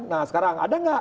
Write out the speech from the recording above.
nah sekarang ada nggak